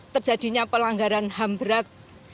terjadinya pelanggaran ham berat